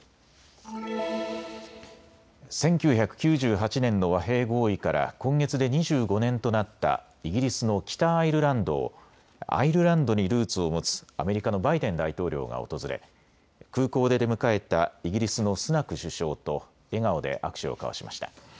１９９８年の和平合意から今月で２５年となったイギリスの北アイルランドをアイルランドにルーツを持つアメリカのバイデン大統領が訪れ空港で出迎えたイギリスのスナク首相と笑顔で握手を交わしました。